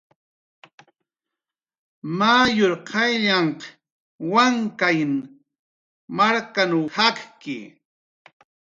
Mayur qayllanh Wankay markanw jakki